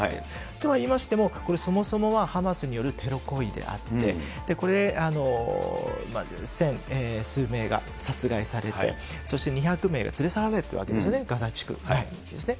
とはいいましても、これそもそもはハマスによるテロ行為であって、これ、千数名が殺害されて、そして２００名が連れ去られているわけですよね、ガザ地区。